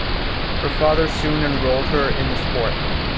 Her father soon enrolled her in the sport.